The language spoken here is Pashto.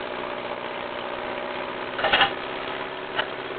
يو غږ واورېدل شو: څه نشته!